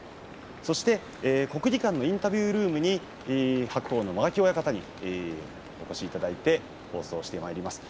そして国技館のインタビュールームに白鵬の間垣親方にお越しいただいて放送をしてまいります。